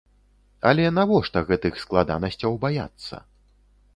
Але навошта гэтых складанасцяў баяцца?